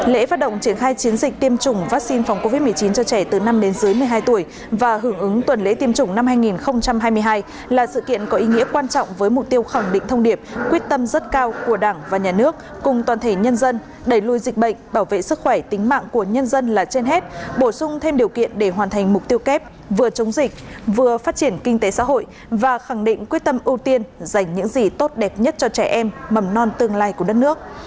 lễ phát động chiến khai chiến dịch tiêm chủng vaccine phòng covid một mươi chín cho trẻ từ năm đến dưới một mươi hai tuổi và hưởng ứng tuần lễ tiêm chủng năm hai nghìn hai mươi hai là sự kiện có ý nghĩa quan trọng với mục tiêu khẳng định thông điệp quyết tâm rất cao của đảng và nhà nước cùng toàn thể nhân dân đẩy lùi dịch bệnh bảo vệ sức khỏe tính mạng của nhân dân là trên hết bổ sung thêm điều kiện để hoàn thành mục tiêu kép vừa chống dịch vừa phát triển kinh tế xã hội và khẳng định quyết tâm ưu tiên dành những gì tốt đẹp nhất cho trẻ em mầm non tương lai của đất nước